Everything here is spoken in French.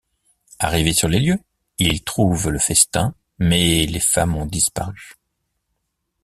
Arrivés sur les lieux, ils trouvent le festin, mais les femmes ont disparu.